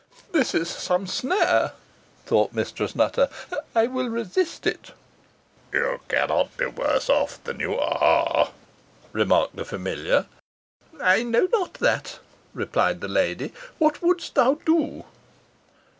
"This is some snare," thought Mistress Nutter; "I will resist it." "You cannot be worse off than you are," remarked the familiar. "I know not that," replied the lady. "What would'st thou do?"